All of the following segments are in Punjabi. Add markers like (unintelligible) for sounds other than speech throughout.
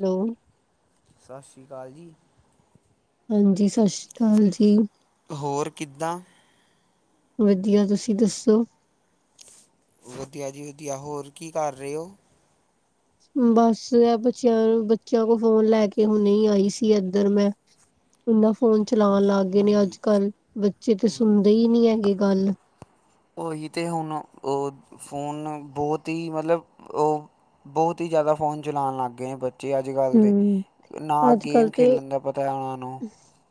ਹੈਲੋ। ਸ਼ਾਸ਼ੀ ਕਾਲ ਜੀ। ਹਾਂਜੀ, ਸ਼ਸ਼ੀ ਕਾਲ ਜੀ। ਹੋਰ ਕਿੱਦਾਂ? ਵਧੀਆ, ਤੁਸੀਂ ਦੱਸੋ? ਵਧੀਆ ਜੀ ਵਧੀਆ। ਹੋਰ ਕੀ ਕਰ ਰਹੇ ਹੋ? ਬੱਸ ਅਹ, ਬੱਚਿਆਂ-ਬੱਚਿਆਂ ਕੋਲ ਫੋਨ ਲੈ ਕੇ ਹੁਣੇ ਆਈ ਸੀ ਇੱਧਰ ਮੈਂ। ਇਹਨਾ ਫੋਨ ਚਲਾਉਣ ਲੱਗ ਗਏ ਨੇ ਹਾਂਜੀ ਅੱਜ-ਕੱਲ੍ਹ ਬੱਚੇ ਤੇ ਸੁਣਦੇ ਹੀ ਨਹੀਂ ਹੈਗੇ ਗੱਲ। ਉਹੀ ਤੇ ਹੁਣ, ਉਹ, ਅ ਫੋਨ ਅ ਬਹੁਤ ਹੀ ਮਤਲਬ ਉਹ ਬਹੁਤ ਹੀ ਜ਼ਿਆਦਾ ਫ਼ੋਨ ਚਲਾਉਣ ਲੱਗ ਗਏ ਨੇ ਬ ਚੇ ਅੱਜ-ਕੱਲ੍ਹ ਦੇ। ਹਮ ਨਾ ਅੱਜ ਕੱਲ ਗੇਮ ਤੇ ਖੇਲਣ ਦਾ ਪਤਾ ਹੈ ਉਹਨੂੰ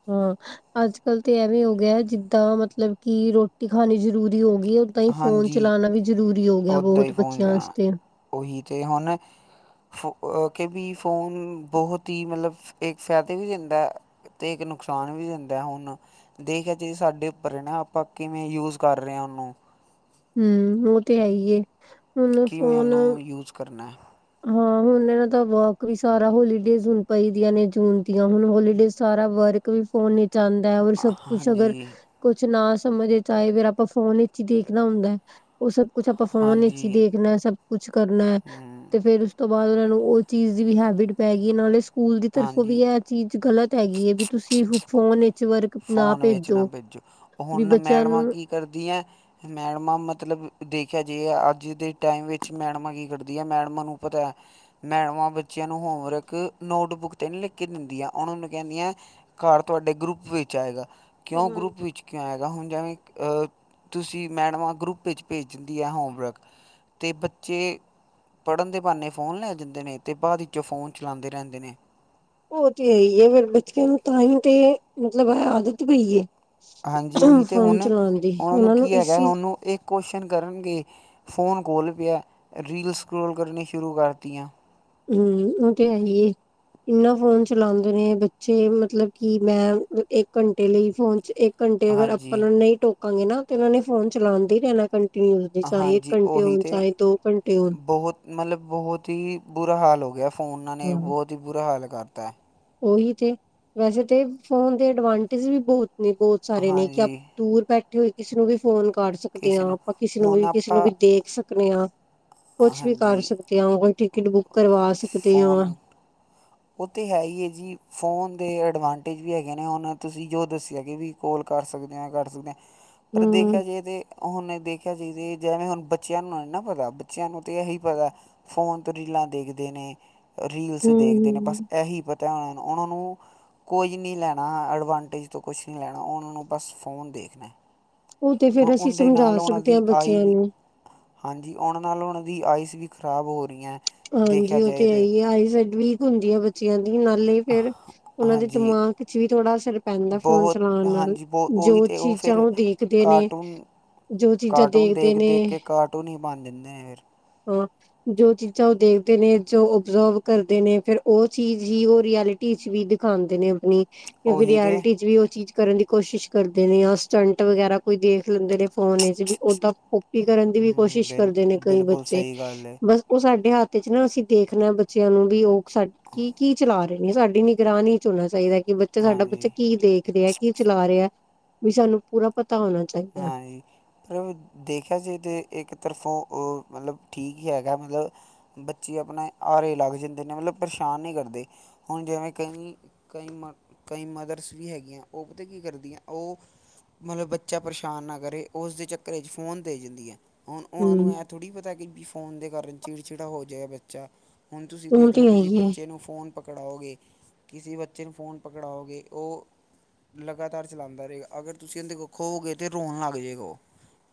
ਹਾਂ, ਅੱਜ-ਕੱਲ੍ਹ ਤਾਂ ਐਵੇਂ ਹੋ ਗਿਆ ਜਿੱਦਾਂ ਮਤਲਬ ਕਿ ਰੋਟੀ ਖਾਣੀ ਜ਼ਰੂਰੀ ਹੋ ਗਈ, ਐ। ਤਾਂ ਹੀ ਫੋਨ ਹਾਂਜੀ ਚਲਾਉਣਾ ਵੀ ਜ਼ਰੂਰੀ ਹੋ ਗਿਆ ਉੱਦਾਂ ਹੀ ਬਹੁਤ ਫੋਨ ਬੱਚਿਆਂ ਚਲਾਉਣਾ ਵਾਸਤੇ। ਉਹੀ ਤੇ ਹੁਣ। ਫ ਅਹ ਕਿ ਵੀ ਫੋਨ ਬਹੁਤ ਹੀ ਮਤਲਬ ਇੱਕ ਫਾਇਦੇ ਵੀ ਦਿੰਦਾ। ਤੇ ਇੱਕ ਨੁਕਸਾਨ ਵੀ ਦਿੰਦਾ ਹੁਣ। ਦੇਖ ਜੇ ਸਾਡੇ ਉੱਪਰ ਨਾ ਆਪਾਂ ਕਿਵੇਂ ਯੂਜ ਕਰ ਰਹੇ ਆ ਉਹਨੂੰ। ਹਮ ਉਹ ਤੇ ਐ ਏ। ਹੁਣ ਕਿਵੇਂ ਫੋਨ ਉਹਨੂੰ ਯੂਜ਼ ਕਰਨਾ। ਹਾਂ, ਹੁਣ ਇਹਨਾਂ ਦਾ ਵਰਕ ਵੀ ਸਾਰਾ ਹੋਲੀਡੇਜ਼ ਹੁਣ ਪਈਦੀਆਂ ਨੇ ਜੂਨ ਦੀਆਂ ਹੁਣ ਹੋਲੀਡੇਜ਼ ਸਾਰਾ ਵਰਕ ਵੀ ਫੋਨ ਨੀ ਆਦਾ, ਔਰ ਸਭ ਕੁਛ ਅਗਰ ਹਾਂਜੀ ਕੁਛ ਨਾ ਸਮਝਦੇ ਫੇਰ ਆਪਾਂ ਫੋਨ ਵਿੱਚ ਹੀ ਦੇਖਣਾ ਹੁੰਦਾ। ਉਹ ਸਭ ਕੁਛ ਫੋਨ ਅਚ ਹਾਂਜੀ ਦੇਖਣਾ। ਸਭ ਕੁਛ ਕਰਨਾ। ਫਿਰ ਉਸ ਤੋਂ ਬਾਅਦ ਉਹਨਾਂ ਨੂੰ ਉਹ ਚੀਜ਼ ਦੀ ਵੀ ਹੈਬਿਟ ਪੈ ਗਈ ਇਹ ਨਾਲੇ ਸਕੂਲ ਦੀ ਤਰਫੋਂ ਹਾਂਜੀ ਵੀ ਐ। ਚੀਜ਼ ਗ਼ਲਤ ਹੈਗੀ ਵੀ ਤੁਸੀਂ ਫੋਨ। ਵਰਕ ਨਾ ਫੋਨ ਵਿੱਚ ਨਾ ਭੇਜੋ। ਵੀ ਹੁਣ ਬੱਚਿਆਂ ਮੈਡਮਾਂ ਨੂੰ ਕੀ ਕਰਦੀਆਂ ਮੈਡਮਾ ਮਤਲਬ, ਦੇਖਿਆ ਜੇ ਅੱਜ ਦੇ ਵਿੱਚ ਮੈਡਮਾਂ ਕੀ ਕਰਦੀਆਂ। ਮੈਡਮਾਂ ਨੂੰ ਪਤਾ ਮੈਡਮਾਂ ਬੱਚਿਆਂ ਨੂੰ ਹੋਮਵਰਕ ਨੋਟਬੁੱਕ 'ਤੇ ਨਹੀਂ ਲਿਖ ਕੇ ਦਿੰਦੀਆਂ। ਉਹਣ ਉਹਨੂੰ ਕਹਿੰਦੀਆਂ ਘਰ ਤੁਹਾਡੇ ਗਰੁੱਪ ਵਿੱਚ ਆਏਗਾ। ਕਿਉਂ ਹਮ ਗਰੁੱਪ ਵਿੱਚ ਕਿਉਂ ਆਏਗਾ? ਹੁਣ ਜਿਵੇਂ ਅ ਤੁਸੀਂ ਮੈਡਮਾਂ ਗਰੁੱਪ ਵਿੱਚ ਭੇਜ ਦਿੰਦੀ ਆ ਹੋਮਵਰਕ। ਤੇ ਬੱਚੇ ਪੜ੍ਹਨ ਦੇ ਬਹਾਨੇ ਫੋਨ ਲੈ ਜਾਂਦੇ ਨੇ ਅਤੇ ਬਾਅਦ ਵਿੱਚੋਂ ਫੋਨ ਚਲਾਦੇ ਰਹਿੰਦੇ ਨੇ। ਉਹ ਤੇ ਇਹੀ ਹੈ ਫਿਰ ਬੱਚਕਿਆਂ ਨੂੰ ਤਾਂ ਹੀ ਤੇ ਮਤਲਬ ਹੈ ਆਦਤ ਪਈ ਏ। ਹਾਂਜੀ ਉਹੀ ਤੇ ਫੋਨ ਹੁਣ। ਚਲਾਉਣ ਦੀ ਉਹਨਾਂ ਨੂੰ ਕੀ ਇਸ ਹੈਗਾ ਚੀਜ਼ ਹਨੂੰ ਇੱਕ ਕੁਸ਼ਨ ਕਰਨਗੇ, ਫੋਨ ਕੋਲ ਪਿਆ। ਰੀਲ ਸਕੋਲ ਕਰਨੀ ਸ਼ੁਰੂ ਕਰਤੀਆਂ। ਹਮ, ਉਹ ਤੇ ਐਹੀ ਜੀ। ਇੰਨਾ ਫੋਨ ਚਲਾਉਂਦੇ ਨੇ ਬੱਚੇ, ਮਤਲਬ ਕਿ ਮੈਂ ਇੱਕ ਘੰਟੇ ਲਈ ਫੋਨ 'ਚ' ਘੰਟੇ ਅਗਰ ਆਪਾਂ ਉਹ ਹਾਂਜੀ ਨੂੰ ਨਹੀਂ ਟੋਕਾਂਗੇ ਨਾ ਤੇ ਉਹਨਾਂ ਨੇ ਫੋਨ ਚਲਾਉਣ ਦੀ ਰਹਿਨਾਂ ਘੰਟੇ। ਚਾਹੇ ਇੱਕ ਹਾਂਜੀ ਘੰਟੇ ਉਹੀ ਹੋਣ, ਤੇ ਚਾਹੇ ਦੋ ਘੰਟੇ ਹੋਣ। ਬਹੁਤ ਮਤਲਬ ਬਹੁਤ ਹੀ ਬੁਰਾ ਹਾਲ ਹੋ ਗਿਆ। ਫੋਨਾਂ ਨੇ ਹਾਂ। ਬਹੁਤ ਬੁਰਾ ਹਾਲ ਕਰਤਾ। ਉਹੀ ਤੇ ਵੈਸੇ ਤੇ ਫੋਨ ਦੇ ਅਡਵਾਂਟੇਜ ਵੀ ਬਹੁਤ ਨੇ, ਬਹੁਤ। ਸਾਰੇ ਨੇ ਕਿ ਆਪ ਹਾਂਜੀ ਦੂਰ ਬੈਠੇ ਹੋਏ, ਕਿਸੇ ਨੂੰ ਵੀ ਫੋਨ ਕਰ ਸਕਦੇ। ਸਕਦੇ ਕਿਸੇ ਹਾਂ। ਨੇ ਆਪਾਂ ਕਿਸੇ ਨੂੰ ਹੁਣ ਵੀ, ਕਿਸੇ ਆਪਾਂ ਨੂੰ ਵੀ ਦੇਖ ਸਕ ਸਕਦੇ ਆ। ਕੁਛ ਵੀ ਕਰ ਹਾਂਜੀ ਸਕਦੇ ਹਾਂ, ਕੋਈ ਟਿਕਟ ਬੁੱਕ ਕਰਵਾ ਸਕਦੇ ਹਾਂ। ਫੋਨ ਉਹ ਤਾਂ ਹੈ ਹੀ ਹੈ ਜੀ। ਫ਼ੋਨ ਦੇ ਐਡਵਾਂਟੇਜ ਵੀ ਹੈਗੇ ਨੇ, ਉਹੁਨਾਂ ਤੁਸੀਂ ਜੋ ਦੱਸਿਆ ਕਿ ਵੀ। ਕੋਲ ਸਕਦੇ ਹੈ, ਕਰ ਸਕਦੇ ਹਾਂ, ਪਰ ਹਮ ਦੇਖਿਆ ਜਾਏ ਤੇ ਹੁਣ ਦੇਖਿਆ ਤੇ ਜਿਵੇਂ ਹੁਣ ਬੱਚਿਆਂ ਨੂੰ ਨਾ ਪਤਾ, ਬੱਚਿਆਂ ਨੂੰ ਤੇ ਇਹੀ ਪਤਾ। ਫੋਨ ਤੋਂ ਰੀਲਾਂ ਦੇਖਦੇ ਨੇ, ਰੀਲਸ ਹਮ ਦੇਖਦੇ। ਨੇ ਹਮ ਬਸ ਇਹੀ ਪਤਾ ਹੁਣ ਉਹਨਾਂ ਨੂੰ ਕੁੱਝ ਨਹੀਂ ਲੈਣਾ, ਐਡਵਾਂਟੇਜ ਤੋਂ ਕੁਛ ਨਹੀਂ ਲੈਣਾ, ਉਹਨੂੰ ਨਾ ਬਸ ਫੋਨ ਦੇਖਣਾ। ਉਹ ਤੇ ਹੁਣ ਫੇਰ ਅਸੀਂ ਉਹਦੇ ਸਮਝਾ ਨਾਲ ਉਹਨਾਂ ਸਕਦੇ ਹਾਂ ਦੀ ਆਈ ਬੱਚਿਆਂ ਵੀ ਨੂੰ। ਹਾਂਜੀ, ਉਹਨਾਂ ਨਾਲ ਉਹਨਾਂ ਦੀ ਆਈਸ ਵੀ ਖ਼ਰਾਬ ਹੋ ਰਹੀਆਂ। ਹਾਂਜੀ ਦੇਖਿਆ ਉਹ ਜਾਏ ਤੇ ਆ ਤਾਂ ਹੀ ਹੈ, ਆਈਸਡ ਵੀਕ ਹੁੰਦੀ ਹੈ ਬੱਚਿਆਂ ਦੀ, ਨਾਲੇ ਫੇਰ ਉਹਨਾਂ ਦੇ ਹਾਂਜੀ ਦਿਮਾਗ ਕੁਛ ਵੀ ਥੋੜਾ ਸਿਰ ਪੈਂਦਾ ਫੋਨ ਬਹੁਤ ਚਲਾਉਣ ਨਾਲ, ਹਾਂਜੀ ਬਹੁਤ ਉਹੀ ਜੋ ਤਾਂ ਚੀਜ਼ਾਂ ਫਿਰ ਉਹ ਦੇਖਦੇ ਨੇ ਕਾਰਟੂਨ ਜੋ ਚੀਜ਼ਾਂ ਕਾਰਟੂਨ ਦੇਖਦੇ ਦੇਖ- ਨੇ ਦੇਖ ਕੇ ਕਾਰਟੂਨ ਹੀ ਬਣ ਜਿਦੇ ਨੇ ਫਿਰ। ਹੋਰ, ਜੋ ਚੀਜ਼ ਜਾਂ ਉਹ ਦੇਖਦੇ ਨੇ, ਜੋ ਓਬਜ਼ਰਵ ਕਰਦੇ ਨੇ, ਫਿਰ ਉਹ ਚੀਜ਼ ਹੀ ਉਹ ਰਐਲਿਟੀ ਚ' ਵੀ ਦਿਖਾਉਂਦੇ ਨੇ। ਜਾਂ ਫਿਰ ਉਹੀ ਤਾਂ ਰਲਿਟੀ 'ਚ ਵੀ ਉਹ ਚੀਜ਼ ਕਰਨ ਦੀ ਕੋਸ਼ਿਸ਼ ਕਰਦੇ ਨੇ, ਜਾਂ ਸਟੰਟ ਵਗੈਰਾ ਕੋਈ ਦੇਖ ਲੈਂਦੇ ਨੇ। ਫੋਨ ਵਿੱਚ ਵੀ, ਓਦਾਂ ਕਾਪੀ ਕਰਨ ਦੀ ਵੀ ਕੋਸ਼ਿਸ਼ ਬਿਲ ਕਰਦੇ ਨੇ ਕਈ ਬਿਲਕੁਲ ਬੱਚੇ, ਸਹੀ ਗੱਲ ਹੈ ਬਸ ਉਹ ਸਾਡੇ ਹੱਥ ਚ ਨਾ ਅਸੀਂ ਦੇਖਣਾ ਬੱਚਿਆਂ ਨੂੰ, ਵੀ ਉਹ ਸਾ ਕੀ- ਕੀ ਚਲਾ ਰਹੇ ਸਾਡੀ ਨਿਗਰਾਨ ਚ ਹੋਣਾ ਚਾਹੀਦਾ, ਕਿ ਬੱਚਾ ਸਾਡਾ ਬੱਚਾ ਹਾਂਜੀ ਕੀ ਦੇਖ ਰਿਹਾ ਐ। ਕੀ ਚਲਾ ਰਿਹਾ, ਵੀ ਸਾਨੂੰ ਪੂਰਾ ਪਤਾ ਹੋਣਾ ਚਾਹੀਦਾ ਹਾਂ ਜੀ। ਮਤਲਬ ਦੇਖਿਆ ਸੀ, ਤੇ ਇੱਕ ਤਰਫੌਂ ਉਹ ਮਤਲਬ ਠੀਕ ਹੀ ਹੈਗਾ, ਮਤਲਬ ਬੱਚੇ ਆਪਣੇ ਹਾਰੇ ਲੱਗ ਜਾਂਦੇ ਨੇ, ਮਤਲਬ ਪਰੇਸ਼ਾਨ ਨਹੀਂ ਕਰਦੇ। ਹੁਣ ਜਿਵੇਂ ਕਈ, ਕਈ ਮ, ਕਈ ਮਦਰਸ ਵੀ ਹੈਗੀਆਂ, ਉਹ ਪਤਾ ਕੀ ਕਰਦੀਆਂ, ਉਹ ਮਤਲਬ ਬੱਚਾ ਪਰੇਸ਼ਾਨ ਨਾ ਕਰੇ, ਉਸਦੇ ਚੱਕਰ 'ਚ ਫ਼ੋਨ ਦੇ ਜਾਂਦੀਆ ਐ, ਹੁਣ ਉਹਨਾਂ ਨੂੰ ਹਮ ਥੋੜ੍ਹੀ ਪਤਾ, ਕਿ ਵੀ ਫੋਨ ਦੇ ਕਾਰਨ ਚਿੜ- ਚਿੜਾ ਹੋ ਜਾਏਗਾ ਬੱਚਾ। ਹੁਣ ਤੁਸੀਂ ਉਹ ਦੇਖ ਤੇ ਵੀ ਜੇ ਹੈਈ ਹੈ ਬੱਚੇ ਨੂੰ ਫੋਨ ਪਕੜਾਓਗੇ, ਕਿਸੇ ਬੱਚੇ ਨੂੰ ਫੋਨ ਪਕੜਾਓਗੇ, ਉਹ ਲਗਾਤਾਰ ਚਲਾਉਂਦਾ ਰਹੇਗਾ, ਅਗਰ ਤੁਸੀਂ ਉਹਦੇ ਕੋਲ ਖੋ ਗਏ, ਤੇ ਰੋਣ ਲੱਗ ਜਾਏਗਾ, ਉਹ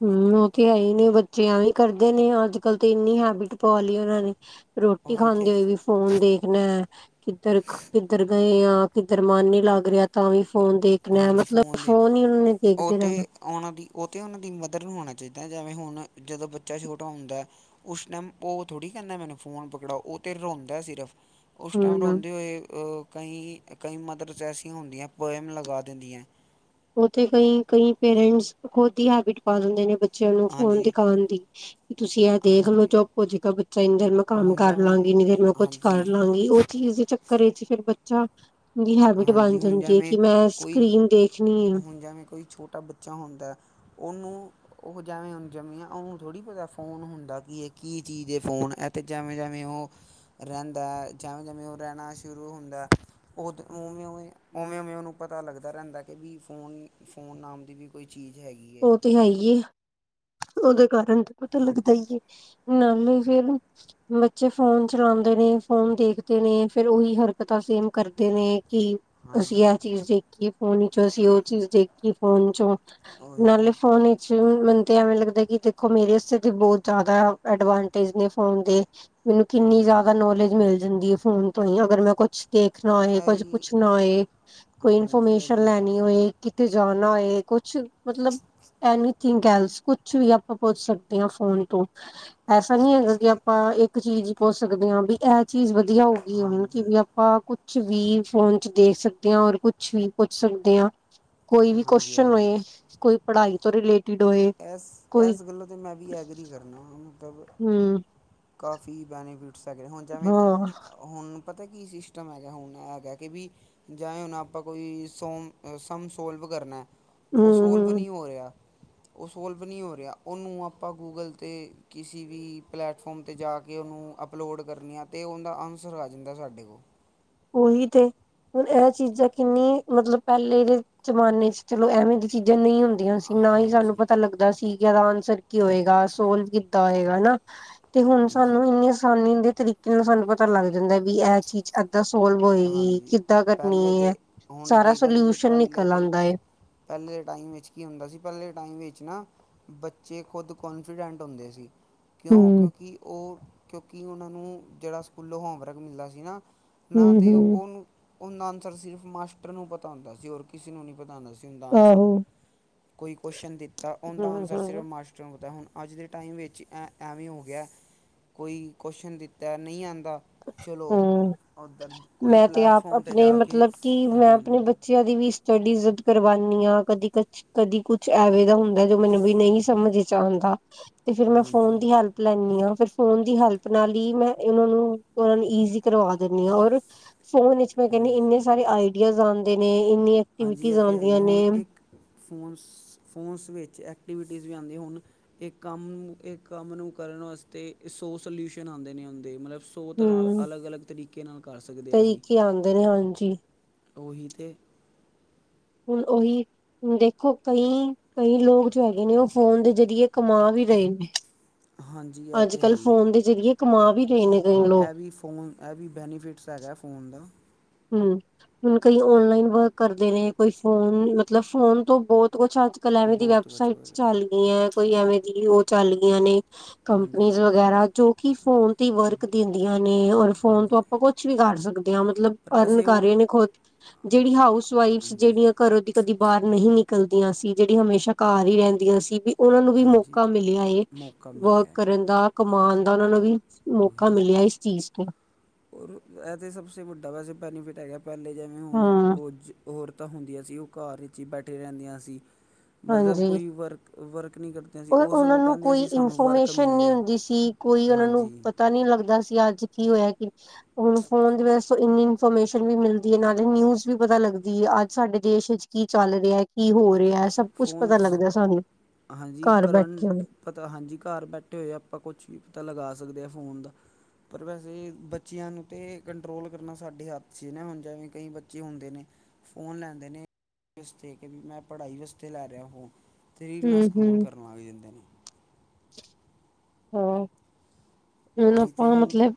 ਹਮ, ਉਹ ਤੇ ਹੈ ਹੀ ਨੇ ਬੱਚਿਆਂ ਵੀ ਕਰਦੇ ਨੇ, ਅੱਜ ਕੱਲ ਤਾਂ ਇੰਨੀ ਹੈਬਿਟ ਪਾ ਲਈ ਉਹਨਾਂ ਨੇ। ਰੋਟੀ ਉਹੀ ਤੇ ਖਾਂਦੇ ਹੋਏ ਵੀ ਫੋਨ ਦੇਖਣਾ। ਕਿੱਧਰ, ਕਿੱਧਰ ਗਏ ਆ, ਕਿੱਧਰ ਮਨ ਨੀ ਲੱਗ ਰਿਹਾ, ਤਾਂ ਵੀ ਫੋਨ ਦੇ ਦੇਖਣਾ ਹਾਂਜੀ ਮਤਲਬ, ਦੇ ਫੋਨ ਹੀ ਉਹਨਾਂ ਨੇ ਉਹ ਦੇਖਦੇ ਰਹਿਣਾ। ਤੇ ਉਹਨਾਂ ਦੀ ਉਹ ਤੇ ਉਹਨਾਂ ਦੀ ਮਦਰ ਨੂੰ ਹੋਣਾ ਚਾਹੀਦਾ, ਜਿਵੇਂ ਹੁਣ ਜਦੋਂ ਬੱਚਾ ਛੋਟਾ ਹੁੰਦਾ। ਉਸ ਟਾਈਮ ਉਹ ਥੋੜ੍ਹੀ ਕਹਿੰਦਾ ਮੈਨੂੰ ਫੋਨ ਪਕੜਾਓ, ਉਹ ਤੇ ਰੋਂਦਾ ਸਿਰਫ। ਉਸ ਟਾਈਮ ਹਮ ਰੋਂਦੇ ਹੋਏ ਕਈ, ਕਈ ਮਦਰਸ ਐਸੀਆਂ ਹੁੰਦੀਆਂ ਪਇਮ ਲਗਾ ਦਿੰਦੀਆਂ। ਉਹ ਤੇ ਕਈ, ਕਈ ਪੇਰੈਂਟਸ ਖੁਦ ਹੀ ਹੈਬਿਟ ਪਾ ਦਿੰਦੇ ਨੇ, ਬੱਚਿਆਂ ਨੂੰ ਫੋਨ ਹਾਂਜੀ ਦਿਖਾਉਣ ਦੀ। ਕਿ ਤੁਸੀਂ ਇਹ ਦੇਖ ਲੋ, ਹਾਂਜੀ ਚੁੱਪੋ ਹੋਜੇਗਾ ਬੱਚਾ, ਇੰਨੀ ਦੇਰ ਮੈਂ ਕੰਮ ਹੁਣ ਕਰ ਜਿਵੇਂ ਲਾਂਗੀ, ਇੰਨੀ ਦੇਰ ਮੈਂ ਕੁਛ ਕਰ ਹਾਂਜੀ ਲਵਾਂਗੀ, ਉਹ ਚੀਜ਼ ਦੇ ਚੱਕਰ ਵਿੱਚ ਫਿਰ ਬੱਚਾ, ਦੀ ਹੈਬਿਟ ਹਾਂਜੀ ਬਣ ਹੁਣ ਜਾਂਦੀ ਐ ਜਿਵੇਂ ਕਿ ਮੈਂ ਕੋਈ ਸਕਰੀਨ ਦੇਖ ਹੁਣ ਜਿਵੇਂ ਕੋਈ ਛੋਟਾ ਬੱਚਾ ਹੁੰਦਾ, ਉਹਨੂੰ ਉਹ ਜਿਵੇਂ ਉਹਨੂੰ ਜੰਮੇ ਆ ਉਹਨੂੰ ਥੋੜ੍ਹੀ ਪਤਾ ਫੋਨ ਹੁੰਦਾ ਕੀ ਇਹ ਕੀ ਚੀਜ਼ ਫੋਨ ਅਤੇ ਜਿਵੇਂ -ਜਿਵੇਂ ਉਹ ਰਹਿੰਦਾ ਜਿਵੇਂ ਜਿਵੇਂ ਉਹ ਰਹਿਣਾ ਸ਼ੁਰੂ ਹੁੰਦਾ ਉਦ ਉਵੇਂ -ਉਵੇਂ, ਉਵੇਂ- ਉਵੇਂ ਉਹਨੂੰ ਪਤਾ ਲੱਗਦਾ ਰਹਿੰਦਾ ਕਿ ਵੀ ਫੋਨ -ਫੋਨ ਨਾਮ ਦੀ ਵੀ ਕੋਈ ਚੀਜ਼ ਹੈਗੀ ਐ। ਉਹ ਤੇ ਹੈਈ ਏ ਉਹਦੇ ਕਾਰਨ ਪਤਾ ਲੱਗਦਾ ਈਏ ਨਾਲੇ ਫਿਰ ਬੱਚੇ ਫੋਨ ਚਲਾਉਂਦੇ ਨੇ ਫੋਨ ਦੇਖਦੇ ਨੇ ਫਿਰ ਉਹੀ ਹਰਕਤਾਂ ਸੇਮ ਕਰਦੇ ਨੇ ਕਿ ਅਸੀਂ ਹਾਂਜੀ ਇਹ ਚੀਜ਼ ਦੇਖ ਕਿ ਫੋਨ ਚੋਂ ਅਸੀ ਓ ਚੀਜ਼ ਦੇਖੀ ਫੋਨ ਚੋ ਉਹੀ ਨਾਲੇ ਤਾਂ ਫੋਨ ਸੋ ਮੈਨੂੰ ਤਾਂ ਐਵੇਂ ਲੱਗਦਾ ਕਿ ਦੇਖੋ ਮੇਰੇ ਆਸਤੇ ਤਾਂ ਬਹੁਤ ਜ਼ਿਆਦਾ ਅਡਵਾਂਟੇਜ ਨੇ ਫੋਨ ਦੇ ਮੈਨੂੰ ਕਿੰਨੀ ਹਾਂਜੀ ਜ਼ਿਆਦਾ ਨੌਲੇਜ ਮਿਲ ਜਾਂਦੀ ਐ ਫੋਨ ਤੋਂ ਹੀ ਅਗਰ ਮੈਂ ਕੁਛ ਦੇਖਣਾ ਹਾਂ ਹੋਏ ਇਹ ਕੁਝ ਵੀ ਪੁੱਛਣਾ ਹੋਏ ਕੋਈ ਹਾਂਜੀ ਇਹ ਇਨਫੋਰਮੇਸ਼ਨ ਵੀ ਹੈਗਾ ਲੈਣੀ ਹੋਏ ਕਿਤੇ ਜਾਣਾ ਓਏ ਕੁੱਛ ਮਤਲਬ ਐਨੀ (unintelligible) ਕੁਛ ਵੀ ਆਪਾਂ ਪੁੱਛ ਸਕਦੇ ਹਾਂ ਫੋਨ ਤੋਂ ਐਸਾ ਨਹੀਂ ਹੈਗਾ ਕਿ ਆਪਾਂ ਇੱਕ ਚੀਜ਼ ਪੁੱਛ ਸਕਦੇ ਹਾਂ ਵੀ ਇਹ ਚੀਜ਼ ਵਧੀਆ ਹੋਊਗੀ ਹੁਣ ਕਿ ਹਾਂਜੀ ਵੀ ਆਪ ਆਪਾਂ ਕੁਛ ਵੀ ਫੋਨ ਚ ਦੇਖ ਸਕਦੇ ਹਾਂ ਔਰ ਕੁਛ ਵੀ ਪੁੱਛ ਸਕਦੇ ਹਾਂ। ਕੋਈ ਵੀ ਹਾਂਜੀ ਕੁਸ਼ਚਨ ਹਾਂਜੀ ਹੋਏ ਕੋਈ ਪੜ੍ਹਾਈ ਤੋਂ ਰਿਲੇਟ। ਇਸ- ਇਸ ਗੱਲੋ ਤੇ ਮੈਂ ਵੀ ਐਗਰੀ ਕਰਨਾ ਮਤਲਬ। ਹਮ। ਕਾਫੀ ਬੈਨੀਫਿਟਸ ਹੈਗੇ ਨੇ ਹੁਣ ਜਿਵੇਂ। ਹਾਂ ਹੁਣ ਪਤਾ ਕੀ ਸਿਸਟਮ ਹੈਗਾ ਹੁਣ ਹੈਗਾ ਕਿ ਵੀ। ਜਾਂ ਹੁਣ ਆਪਾਂ ਕੋਈ ਸੋ ਸਮ ਸੋਲਬ ਕਰਨਾ ਆ। ਉਹ ਹਮ ਸੋਲਵ ਹਮ ਨਹੀਂ ਹੋ ਰਿਹਾ ਆ। ਉਹ ਸੋਲਵ ਨਹੀਂ ਹੋ ਰਿਹਾ। ਉਹਨੂੰ ਆਪਾਂ ਗੂਗਲ 'ਤੇ ਕਿਸੇ ਵੀ ਪਲੈਟ ਫੋਮ ਤੇ ਜਾ ਕੇ ਉਹਨੂੰ ਅਪਲੋਡ ਕਰਨੀਆਂ ਤੇ ਉਹਦਾ ਆਨਸਰ ਆ ਜਾਂਦਾ ਸਾਡੇ ਕੋਲ। ਉਹੀ ਤੇ ਹੁਣ ਇਹ ਚੀਜ਼ਾਂ ਕਿੰਨੀ ਮਤਲਬ ਪਹਿਲੇ ਦੇ ਜ਼ਮਾਨੇ ਚ ਚਲੋ ਐਵੇਂ ਦੀ। ਚੀਜ਼ਾਂ ਨਹੀਂ ਹੁੰਦੀਆਂ ਸੀ ਨਾ ਹੀ ਸਾਨੂੰ ਹਾਂਜੀ ਪਤਾ ਲੱਗਦਾ ਸੀ ਕਿ ਇਹਦਾ ਆਨਸਰ ਕੀ ਹੋਏਗਾ ਸੋਲਵ ਕਿਦ ਕਿਦਾ ਆਵੇਗਾ ਨਾ ਤੇ ਹੁਣ ਹਾਂਜੀ ਸਾਨੂੰ ਇੰਨੀ ਆਸਾਨੀ ਦੇ ਤਰੀਕੇ। ਕਿੰਨਾ ਸਾਨੂੰ ਪਤਾ ਲੱਗ ਜਾਂਦਾ ਵੀ ਇਹ ਚੀਜ਼ ਅੱਗੇ। ਕਿਦਾ ਸੋਲਵ ਹੋਏਗੀ ਹਾਂਜੀ ਕਿੱਦਾਂ ਪਹਿਲੇ ਕਰਨੀ ਐ ਦੇ ਹੁਣ ਸਾਰਾ ਦੇਖਿਆ ਜੇ ਤਾਂ ਸੋਲਿਊਸ਼ਨ ਪਹਿਲੇ ਨਿਕਲ ਦੇ ਆਦਾ ਐ। ਪਹਿਲੇ ਦੇ ਟਾਈਮ ਵਿੱਚ ਕੀ ਹੁੰਦਾ ਸੀ ਪਹਿਲੇ ਦੇ ਟਾਈਮ ਵਿੱਚ ਨਾ। ਬੱਚੇ ਖੁਦ ਕੋਨਫੀਡੈਂਟ ਹੁੰਦੇ ਸੀ। ਹਮ ਕਿਉਂ-ਕਿਉਂਕਿ ਉਹ ਕਿਉਂਕਿ ਉਹਨਾਂ ਨੂੰ ਜਿਹੜਾ ਸਕੂਲੋਂ ਹੋਮਵਰਕ ਮਿਲਦਾ ਸੀ ਨਾ। ਨਾ ਹਮ ਤਾਂ ਹਮ ਉਹਨੂੰ ਉਹਦਾ ਆਨਸਰ ਸਿਰਫ ਮਾਸਟਰ ਨੂੰ ਪਤਾ ਹੁੰਦਾ ਸੀ। ਹੋਰ ਕਿਸੇ ਨੂੰ ਨਹੀਂ ਪਤਾ ਹੁੰਦਾ ਸੀ। ਹੁੰਦਾ ਆਨਸਰ, ਆਹੋ ਕੋਈ ਕੁਸ਼ਚਨ ਦਿੱਤਾ ਉਹਦਾ ਦਾ ਹਮ ਆਨਸਰ ਹਮ ਸਿਰਫ ਮਸ ਚੋ ਗਤਾ ਹੁਣ ਅੱਜ ਦੇ ਟਾਈਮ ਵਿੱਚ ਐਂ ਐਵੇਂ ਹੋ ਗਿਆ। ਕੋਈ ਕੁਸ਼ਨ ਦਿੱਤਾ ਨਹੀਂ ਆਦਾ। ਹਮ ਮੈਂ ਤੇ ਆਪ ਪਲੈਟਫਾਰਮ 'ਤੇ ਆਪਣੇ ਜਾ ਕੇ ਮਤਲਬ ਕਿ ਕਰ ਮੈਂ ਲੈਂਦੇ ਆਪਣੇ ਬੱਚੇ। ਨੇ ਬੱਚਿਆਂ ਦੀ ਵੀ ਸਟੱਡੀਜ਼ਦ ਕਰਵਾਨੀ ਆ ਕਦੀ ਕਛ ਕਦੀ ਕੁਛ ਐਵੇਂ ਦਾ ਹੁੰਦਾ। ਜਦ ਮੈਨੂੰ ਵੀ ਨਹੀਂ ਸਮਝ ਚ ਆਦਾ ਤੇ ਫਿਰ ਮੈਂ ਫੋਨ ਹਾਂਜੀ ਦੀ ਹੈਲਪ ਲੈਂਣੀ ਆ, ਫਿਰ ਫੋਨ ਦੀ ਹੈਲਪ ਨਾਲ ਹੀ ਮੈਂ ਉਹਨਾਂ ਨੂੰ ਇਕ ਈਜੀ। ਕਰਵਾ ਦਿੰਦੀ ਹਾਂ ਔਰ ਫੋਨ ਵਿੱਚ ਮੈਂ ਕਹਿਨੀ ਹਾਂਜੀ ਇੰਨੇ ਸਾਰੇ ਆਈ ਡੀਆਜ਼ ਆਂਦੇ ਨੇ ਇੰਨੇ ਹਾਂਜੀ ਐਕਵਿਟੀਜ਼ ਇਹ ਤੇ ਹੈ ਹੀ ਆਦੀਆਂ ਹੈ। ਨੇ। ਹੁਣ ਇੱਕ ਫੋਨਸ- ਫੋਨਸ ਵਿੱਚ ਐਕਟੀਵਿਟੀਜ਼ ਵੀ ਆਦੀਆਂ ਹੋਣ। ਇਕ ਕੰਮ ਇਕ ਕੰਮ ਨੂੰ ਕਰਨ ਵਾਸਤੇ ਸੌ ਸਲਿਊਸ਼ਨ ਆਦੇ ਨੇ ਹੁੰਦੇ ਮਤਲਬ। ਸੋ ਤਰ੍ਹਾਂ ਹੂੰ ਅਲੱਗ-ਅਲੱਗ ਤਰੀਕੇ ਨਾਲ ਕਰ ਸਕਦੇ ਹਾਂ ਅਸੀਂ। ਆਉਂਦੇ ਨੇ ਹਾਂਜੀ। ਉਹੀ ਤੇ। ਹੁਣ ਉਹੀ। ਹੁਣ ਦੇਖੋ ਕਈ- ਕਈ ਲੋਕ ਜੋ ਹੈਗੇ ਨੇ ਉਹ ਫੋਨ ਦੇ ਜਰੀਏ ਕਮਾ ਵੀ ਰਹੇ ਨੇ। ਹਾਂਜੀ। ਇਹ ਅੱਜ ਤੇ ਹੈ -ਕੱਲ੍ਹ ਹੀ ਹੈ। ਫੋਨ ਦੇ ਜ਼ਰੀਏ ਕਮਾ ਵੀ ਰਹੇ ਨੇ ਕਈ ਹਾਂ ਲੋਕ। ਇਹ ਫੋਨ। ਇਹ ਵੀ ਬੈਨੀਫਿਟਸ ਹੈਗਾ ਫੋਨ ਦਾ। ਹਮ, ਹੁਣ ਕਈ ਔਨਲਾਈਨ ਵਰਕ ਕਰਦੇ ਨੇ ਕੋਈ ਫੋਨ ਮਤਲਬ ਫੋਨ ਤੋਂ ਬਹੁਤ ਕੁਛ ਅੱਜ ਅੱਜ -ਕੱਲ ਐਵੇਂ ਦੀ ਬਹੁਤ ਕੁਛ ਵੈਬਸਾਈਟ ਹੋਰ ਚੱਲ ਗਈਆਂ ਐ। ਕੋਈ ਐਵੇਂ ਦੀ ਉਹ ਚੱਲ ਗਈਆਂ ਨੇ। ਹਾਂਜੀ ਕੰਪਨੀਜ਼ ਵਗੈਰਾ ਜੋ ਕਿ ਫੋਨ ਫੋਨ ਤੇ ਵਰਕ ਦਿੰਦੀਆਂ ਨੇ ਔਰ ਫੋਨ ਤੋਂ ਹਾਂਜੀ ਆਪਾਂ ਕੁਛ ਵੀ ਕਰ ਸਕਦੇ ਹਾਂ ਮਤਲਬ। ਪਰ ਅਰਨ ਵੈਸੇ ਕਰ ਉਹ ਰਹੀਆਂ ਨੇ ਖੁਦ, ਜਿਹੜੀ ਹਾਊਸ ਵਾਈਫ਼ਜ ਹਾਂਜੀ ਜਿਹੜੀਆਂ ਘਰੋਂ ਦੀ ਕਦੀ ਬਾਹਰ ਨਹੀਂ ਨਿਕਲਦੀਆਂ ਸੀ। ਜਿਹੜੀ ਹਮੇਸ਼ਾ ਹੀ ਰਹਿੰਦੀਆਂ ਸੀ ਵੀ। ਉਹਨਾਂ ਨੂੰ ਵੀ ਹਾਂਜੀ ਮੌਕਾ ਮਿਲਿਆ ਏ, ਮੌਕਾ ਵਰਕ ਮਿਲਿਆ ਹੈ ਕਰਨ ਦਾ ਕਮਾਉਣ ਦਾ ਉਹਨਾਂ ਨੂੰ ਵੀ। ਮੌਕਾ ਉਹੀ ਮਿਲਿਆ ਇਸ ਚੀਜ਼ ਤੋਂ। ਔਰ ਇਹ ਤਾਂ ਸਭਸੇ ਵੱਡਾ ਵੈਸੇ ਬੈਨੀਫਿਟ ਹੈਗਾ ਪਹਿਲੇ ਜਿਵੇਂ ਹੁਣ ਹਾਂ। ਉਹ ਜ ਔਰਤਾਂ ਹੁੰਦੀਆਂ ਸੀ, ਉਹ ਘਰ ਵਿੱਚ ਹੀ ਬੈਠੇ ਰਹਿੰਦੀਆਂ ਸੀ, ਮਤਲਬ ਹਾਂਜੀ। ਕੋਈ ਵਰਕ ਵਰਕ ਨੀ ਕਰ ਉਹ ਉਹਨਾਂ ਨੂੰ ਕੋਈ ਇਨਫੋਰਮੇਸ਼ਨ ਨਹੀਂ ਮਿਲੇ ਹੁੰਦੀ ਸੀ ਕੋਈ ਉਹਨਾਂ ਨੂੰ ਹਾਂਜੀ ਪਤਾ ਨੀ ਲੱਗਦਾ ਸੀ ਅੱਜ ਕੀ ਹੋਇਆ ਕਿ ਹੁਣ ਫੋਨ ਵਿੱਚ ਇੰਨੀ ਇਨਫੋਰਮੇਸ਼ਨ ਵੀ ਮਿਲਦੀ ਨਾਲੇ ਨਿਊਜ਼ ਵੀ ਪਤਾ ਲੱਗਦੀ ਐ ਅੱਜ ਸਾਡੇ ਦੇਸ਼ ਵਿੱਚ ਕੀ ਚੱਲ ਰਿਹਾ, ਕੀ ਹੋ ਰਿਹਾ, ਸਭ ਕੁੱਛ ਪਤਾ ਫੋਨਸ ਲੱਗਦਾ ਸਾਨੂੰ। ਹਾਂਜੀ, ਘਰ ਬੈਠੇ ਹੋਏ। ਕਰੰਟ ਪਤਾ ਹਾਂਜੀ, ਘਰ ਬੈਠੇ ਹੋਏ ਆ ਆਪਾਂ ਕੁਛ ਵੀ ਪਤਾ ਲਗਾ ਸਕਦੇ ਆ ਫ਼ੋਨ ਦਾ ਪਰ ਵੈਸੇ ਬੱਚਿਆਂ ਨੂੰ ਤੇ ਕੰਟਰੋਲ ਕਰਨਾ ਸਾਡੇ ਹੱਥ 'ਚ ਨੀ ਹੁਣ ਜਿਵੇਂ ਕਈ ਬੱਚੇ ਹੁੰਦੇ ਨੇ ਫੋਨ ਲੈਂਦੇ ਨੇ, ਇਸ ਵਾਸਤੇ ਕਿ ਵੀ ਮੈਂ ਪੜ੍ਹਾਈ ਵਾਸਤੇ ਲੈ ਰਿਹਾ ਫੋਨ, ਤੇ ਰੀਲਾਂ‌ ਸਕੋਲ ਹੂੰ-ਹੂੰ। ਕਰਨ ਲੱਗ ਜਾਂਦੇ ਨੇ ਹਾਂ। ਹੁਣ ਉਹੀ ਤੇ ਆਪਾਂ ਹੁਣ, ਮਤਲਬ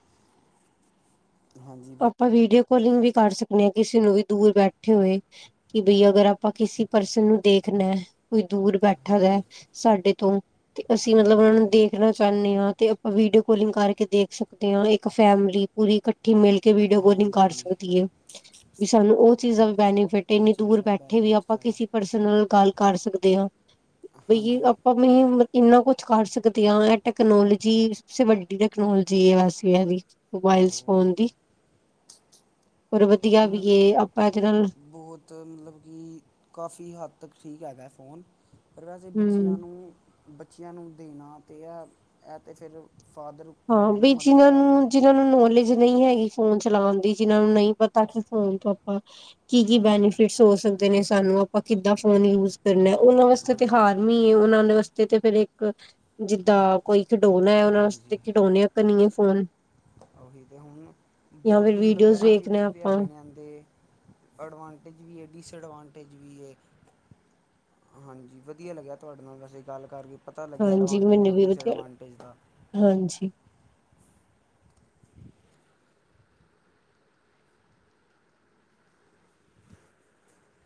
ਹਾਂਜੀ। ਬੋਲ ਆਪਾਂ ਵੀਡੀਓ ਕਾਲਿੰਗ ਵੀ ਕਰ ਸਕਨੇ ਆ, ਕਿਸੇ ਨੂੰ ਵੀ ਦੂਰ ਬੈਠੇ ਹੋਏ ਕਿ ਬਈ ਅਗਰ ਆਪਾਂ ਕਿਸੇ ਪਰਸਨ ਨੂੰ ਦੇਖਣਾ ਐ। ਕੋਈ ਦੂਰ ਬੈਠਾ ਹੋਇਆ ਐ ਹਾਂਜੀ ਸਾਡੇ ਤੋਂ ਤੇ ਅਸੀਂ ਮਤਲਬ ਉਹਨਾ ਹਾਂਜੀ ਨੂੰ ਹਾਂਜੀ ਦੇਖਣਾ ਚਾਹਨੇ ਆ, ਤੇ ਆਪਾਂ ਵੀਡੀਓ ਕਾਲਿੰਗ ਕਰਕੇ ਦੇਖ ਸਕਦੇ ਆ ਇੱਕ ਫੈਮਿਲੀ ਪੂਰੀ ਇਕੱਠੀ ਮਿਲ ਕੇ ਕਿ ਵੀਡੀਓ ਕਾਲਿੰਗ ਕਰ ਹਾਂਜੀ ਸਕਦੀ ਏ। ਵੀ ਸਾਨੂੰ ਉਹ ਚੀਜ਼ ਵੀ ਬੈਨੀਫਿਟ ਉਹ ਇੰਨੀ ਦੂਰ ਚੀਜ਼ਾਂ ਬੈਠੇ ਵੀ ਬੈਨੀਫਿਟਸ ਆਪਾਂ ਹੈਗਾ ਕਿਸੇ ਪਰਸਨ ਨਾਲ ਗੱਲ ਕਰ ਸਕਦੇ ਆ। ਹਾਂ ਕਿ ਆਪਾਂ ਵੀ ਇੰਨਾ ਕੁਛ ਕਰ ਸਕਦੇ ਆ ਇਹ ਟੈਕਨੋਲੋਜੀ ਸ ਵੱਡੀ ਟੈਕਨੋਲੋਜੀ ਆ ਵੈਸੇ ਇਹਦੀ ਮੋਬਾਈਲਸ ਆਹੋ ਉਹੀ ਫੋਨ ਤੇ ਦੀ ਪਰ ਵਧੀਆ ਵੀ ਹੁਣ ਏ, ਆਪਾਂ ਇੱਕ ਦਿਨ ਬਹੁਤ ਮਤਲਬ ਕਿ ਕਾਫੀ ਹੱਦ ਤੱਕ ਠੀਕ ਹੈਗਾ ਫੋਨ, ਪਰ ਵੈਸੇ ਹਮ ਬੱਚਿਆਂ ਨੂੰ ਬੱਚਿਆਂ ਨੂੰ ਦੇਣਾ ਤੇ ਐ, ਇਹ ਤੇ ਫਿਰ ਫਾਦਰ ਉੱਪਰ ਹਾਂ ਹੈਗਾ ਨਾ ਵਿਚ ਮਦਰ ਜਿਹਨਾਂ ਫਾਦਰ ਨੂੰ, ਉੱਪਰ ਜਿਹਨਾਂ ਨੂੰ ਹੈਗਾ ਨੌਲੇਜ ਨਹੀਂ ਹੈਗੀ ਫੋਨ ਚਲਾਣ ਦੀ ਜਿਹਨਾਂ ਨੂੰ ਨਹੀਂ ਪਤਾ ਤਾਂ ਕਿ ਫੋਨ ਤੋਂ ਆਪਾਂ ਕੀ- ਕੀ ਹਾਂਜੀ ਬੈਨੀਫਿਟਸ ਹੋ ਸਕਦੇ ਨੇ ਸਾਨੂੰ ਆਪਾਂ ਕਿੱਦਾਂ ਫੋਨ ਯੂਜ ਕਰਨਾ ਉਹਨਾਂ ਵਾਸਤੇ ਤੇ ਹਾਂਜੀ ਹਾਰਮ ਈ ਏ ਉਹਨਾਂ ਵਾਸਤੇ ਤੇ ਫਿਰ ਇੱਕ ਜਿੱਦਾਂ ਕੋਈ ਖਿਡੌਣਾ ਏ ਉਹਨਾਂ ਵਾਸਤੇ ਹਾਂਜੀ ਖਿਡੌਣੇ ਕਨੀ ਏ ਫੋਨ ਉਹੀ ਅਤੇ ਹੁਣ ਜਾਂ ਫਿਰ ਬਹੁਤ ਮਤਲਬ ਵੀਡੀਓਜ਼ ਵੇਖਣੇ ਬੈਨੀਫਿਟਸ ਵੀ ਆਪਾਂ ਹੈਗੇ ਨੇ ਇਹਦੇ ਐਡਵਾਂਟੇਜ ਵੀ ਏ ਡਿਸਐਡਵਾਂਟੇਜ ਵੀ ਏ। ਹਾਂਜੀ, ਵਧੀਆ ਲੱਗਿਆ ਤੁਹਾਡੇ ਨਾਲ ਵੈਸੀਂ ਗੱਲ ਕਰਕੇ ਪਤਾ ਲੱਗਿਆ ਹਾਂਜੀ ਐਡਵਾਂਟੇਜ ਮੈਨੂੰ ਔਰ ਵੀ ਵਧੀਆ ਡਿਸਐਡਵਾਂਟੇਜ ਦਾ। ਹਾਂਜੀ।